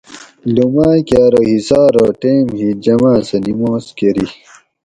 لُوماۤئ کہ ارو حصار ہو ٹیم ہِیت جماۤ سہ نماز کۤری